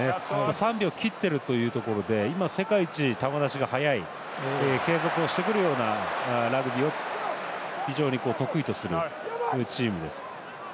３秒を切っているというところで今、世界一球出しが速い継続をしてくるようなラグビーを非常に得意とするチームです。